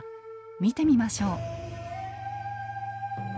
見てみましょう。